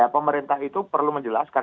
pemerintah itu perlu menjelaskan